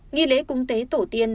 nghi lễ cúng tế tổ tiên